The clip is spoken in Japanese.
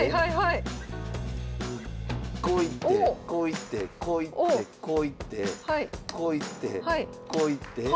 こう行ってこう行ってこう行ってこう行って。